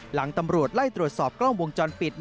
หลังตำรวจไล่ตรวจสอบกล้องวงจรปิด